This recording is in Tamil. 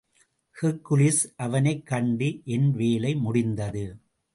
ஹெர்க்குலிஸ் அவனைக் கண்டு, என் வேலை முடிந்தது.